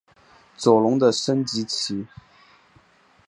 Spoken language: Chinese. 左龙的升级棋。